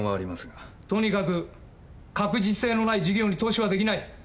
とにかく確実性のない事業に投資はできない。